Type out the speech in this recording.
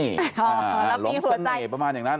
หลงเสน่ห์ประมาณอย่างนั้น